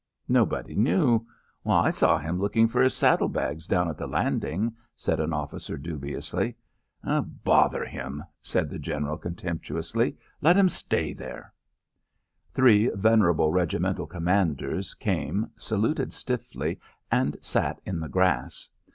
Nobody knew. "I saw him looking for his saddle bags down at the landing," said an officer dubiously. "Bother him," said the General contemptuously. "Let him stay there." Three venerable regimental commanders came, saluted stiffly and sat in the grass.